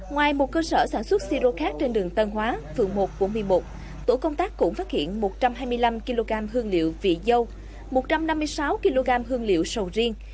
ngoài một cơ sở sản xuất si rô khác trên đường tân hóa phường một bốn mươi một tổ công tác cũng phát hiện một trăm hai mươi năm kg hương liệu vị dâu một trăm năm mươi sáu kg hương liệu sầu riêng